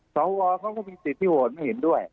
สาวอบอก็มีสิทธิโหทไม่เห็นด้วย